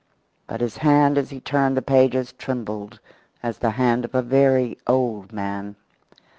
But his hand as he turned the pages trembled as the hand of a very old man.